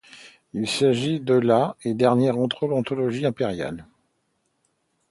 Il s'agit de la et dernière anthologie impériale.